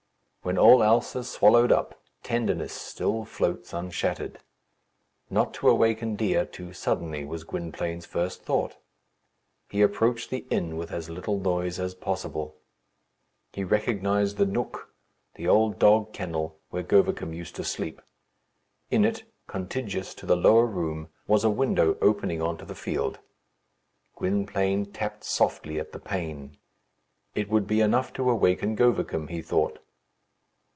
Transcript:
When all else is swallowed up, tenderness still floats unshattered. Not to awaken Dea too suddenly was Gwynplaine's first thought. He approached the inn with as little noise as possible. He recognized the nook, the old dog kennel, where Govicum used to sleep. In it, contiguous to the lower room, was a window opening on to the field. Gwynplaine tapped softly at the pane. It would be enough to awaken Govicum, he thought.